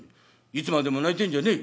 いつまでも泣いてんじゃねえ。